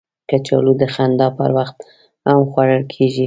کچالو د خندا پر وخت هم خوړل کېږي